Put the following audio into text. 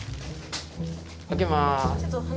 開けます。